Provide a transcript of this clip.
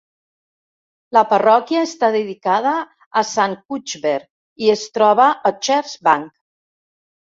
La parròquia està dedicada a Sant Cuthbert i es troba a Church Bank.